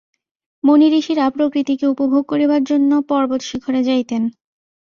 মুনিঋষিরা প্রকৃতিকে উপভোগ করিবার জন্য পর্বতশিখরে যাইতেন।